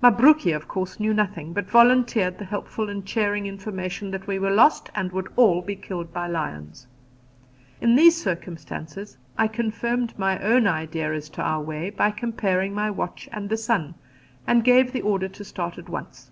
Mabruki, of course, knew nothing, but volunteered the helpful and cheering information that we were lost and would all be killed by lions. In these circumstances, I confirmed my own idea as to our way by comparing my watch and the sun, and gave the order to start at once.